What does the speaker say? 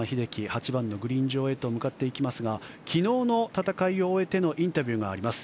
８番のグリーン上へと向かっていきますが昨日の戦いを終えてのインタビューがあります。